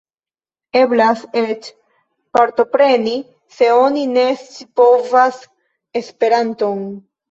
Eblas eĉ partopreni se oni ne scipovas Esperanton.